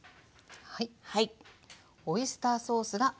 はい。